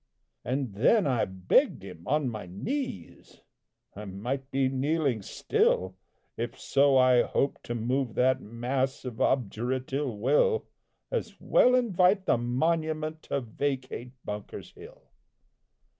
And then I begged him on my knees I might be kneeling still, If so I hoped to move that mass Of obdurate ill will As well invite the monument To vacate Bunker's Hill!